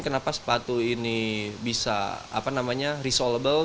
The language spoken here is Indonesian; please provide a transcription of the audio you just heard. kenapa sepatu ini bisa apa namanya resolvable